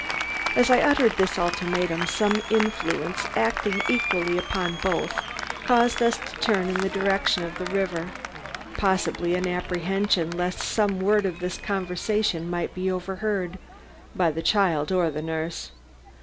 As I uttered this ultimatum, some influence, acting equally upon both, caused us to turn in the direction of the river; possibly an apprehension lest some word of this conversation might be overheard by the child or the nurse.